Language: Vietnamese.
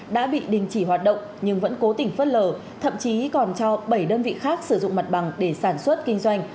đã bị đình chỉ hoạt động nhưng vẫn cố tình phớt lờ thậm chí còn cho bảy đơn vị khác sử dụng mặt bằng để sản xuất kinh doanh